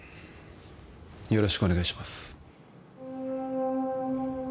よろしくお願いします